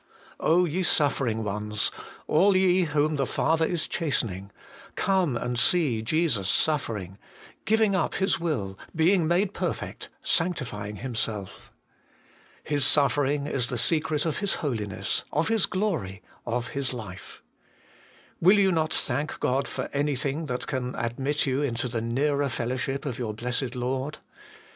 ye suffering ones ! all ye whom the Father is chastening ! come and see Jesus suffering, giving up His will, being made perfect, sanctifying Himself. His suffering is the secret of His Holiness, of His Glory, of His Life. Will you not thank God for anything that can admit you into the nearer fellow ship of your blessed Lord